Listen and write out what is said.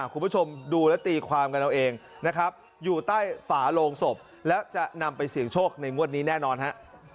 คุณผู้ชมดูแล้วตีความกันเอาเองนะครับอยู่ใต้ฝาโลงศพแล้วจะนำไปเสี่ยงโชคในงวดนี้แน่นอนฮะ